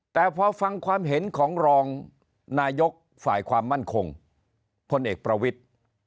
แต่พอฟังความเห็นของรองนายกฝ่ายความมั่นคงพลเอกประวิทธิ์